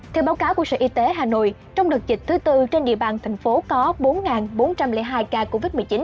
theo báo cáo của sở y tế hà nội trong đợt dịch thứ tư trên địa bàn thành phố có bốn bốn trăm linh hai ca covid một mươi chín